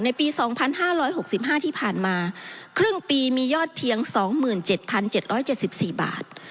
ในปีสองพันห้าร้อยหกสิบห้าที่ผ่านมาครึ่งปีมียอดเพียงสองหมื่นเจ็ดพันเจ็ดร้อยเจ็ดสิบสี่บาท